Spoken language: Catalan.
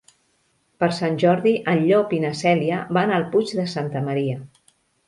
Per Sant Jordi en Llop i na Cèlia van al Puig de Santa Maria.